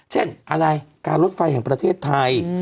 เช่นอะไรการรถไฟแห่งประเทศไทย